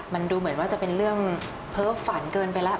มันดูเหมือนว่าจะเป็นเรื่องเพ้อฝันเกินไปแล้ว